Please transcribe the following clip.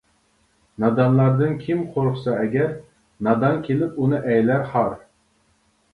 نادانلاردىن كىم قورقسا ئەگەر، نادان كېلىپ ئۇنى ئەيلەر خار.